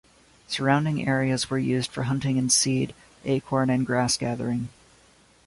Surrounding areas were used for hunting and seed, acorn, and grass gathering.